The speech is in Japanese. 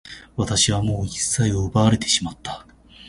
私はもう一切を奪われてしまった。